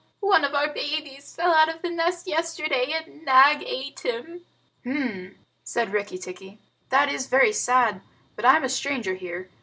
"One of our babies fell out of the nest yesterday and Nag ate him." "H'm!" said Rikki tikki, "that is very sad but I am a stranger here.